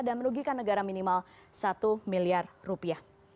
dan merugikan negara minimal satu miliar rupiah